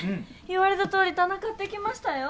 言われたとおりたな買ってきましたよ。